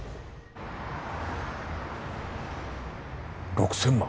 ６０００万？